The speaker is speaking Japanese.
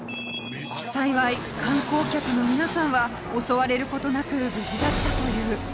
幸い観光客の皆さんは襲われる事なく無事だったという